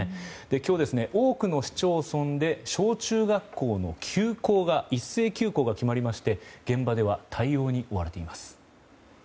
今日、多くの市町村で小中学校の一斉休校が決まりまして現場では対応に追われています。